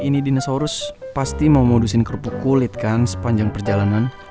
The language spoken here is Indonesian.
ini dinosaurus pasti mau modusin kerupuk kulit kan sepanjang perjalanan